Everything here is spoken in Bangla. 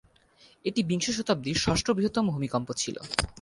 এটি বিংশ শতাব্দীর ষষ্ঠ বৃহত্তম ভূমিকম্প ছিল।